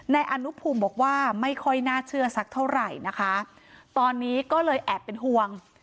นายอนุภูมิบอกว่าไม่ค่อยน่าเชื่อสักเท่าไหร่นะคะตอนนี้ก็เลยแอบเป็นห่วง